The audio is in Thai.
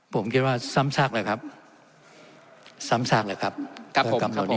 ผมคิดว่าซ้ำซากเลยครับซ้ำซากเลยครับ